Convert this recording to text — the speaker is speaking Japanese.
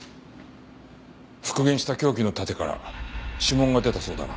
復元した凶器の盾から指紋が出たそうだな？